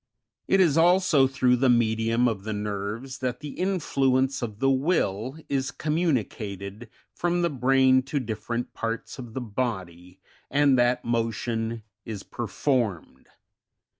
75 It is also through the medium of the nerves that the influence of the Will is communicated from the brain to different parts of the body, and that motion is performed.